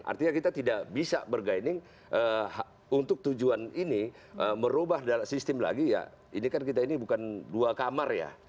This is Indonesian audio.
artinya kita tidak bisa berguining untuk tujuan ini merubah sistem lagi ya ini kan kita ini bukan dua kamar ya